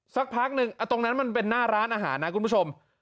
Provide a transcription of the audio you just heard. สักพักหนึ่งตรงนั้นมันเป็นหน้าร้านอาหารนะคุณผู้ชม